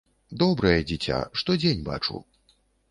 Добрае дзіця, штодзень бачу.